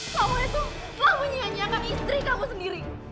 kamu itu telah menyianyikan istri kamu sendiri